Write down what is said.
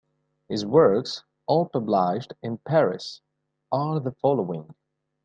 His works, all published in Paris, are the following.